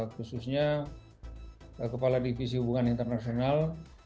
khususnya kepala divisi hubungan internasional